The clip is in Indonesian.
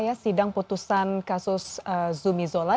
ya sidang putusan kasus zumizola